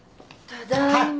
ただいま。